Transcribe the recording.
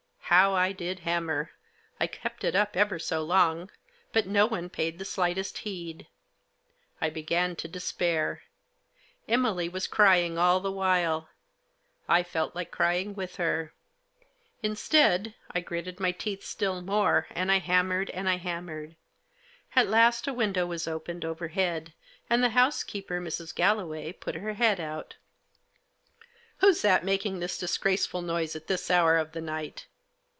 How I did hanuser ! I kept it up ever so long ; but no one paid the slightest heed. I began to despair. Emily was crying all the while. I fek like crying with her. Instead, I gritted my teeth still more, and I hammered, and I hammered. At last a window was opened over head, and the housekeeper, Mrs. Galloway, put her head out " Who's that making this disgraceful noise at this hour of the night